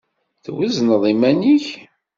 Twezneḍ iman-ik?